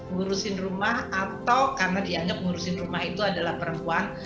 ngurusin rumah atau karena dia hanya pengurusin rumah itu adalah perempuan